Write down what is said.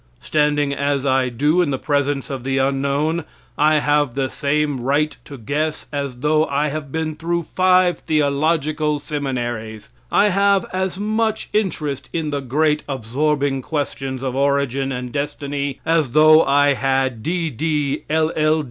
Standing as I do in the presence of the Unknown, I have the same right to guess as though I had been through five theological seminary. I have as much interest in the great absorbing questions of origin and destiny as though I had D.D., L. L.